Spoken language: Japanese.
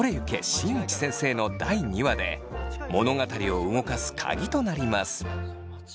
新内先生」の第２話で物語を動かす鍵となります。